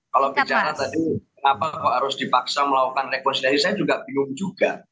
kalau bicara tadi kenapa kok harus dipaksa melakukan rekonsiliasi saya juga bingung juga